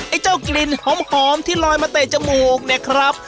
ไอ้เจ้ากลิ่นหอมที่ลอยมาเตะจมูกเนี่ยครับ